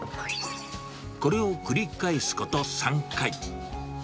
これを繰り返すこと３回。